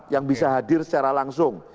yang bisa hadir secara langsung